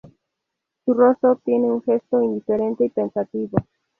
Su rostro tiene un gesto indiferente y pensativo.